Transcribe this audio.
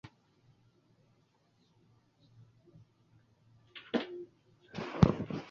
来自各县市的搜救团队